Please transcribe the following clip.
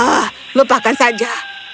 ah lupakan saja